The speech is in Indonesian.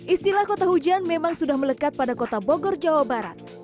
istilah kota hujan memang sudah melekat pada kota bogor jawa barat